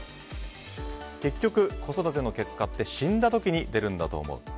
結局、子育ての結果って死んだ時に出るんだと思う。